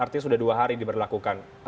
artinya sudah dua hari diberlakukan